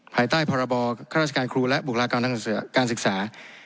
ภายใต้พรบข้าราชการครูและบุคลากรทางการศึกษา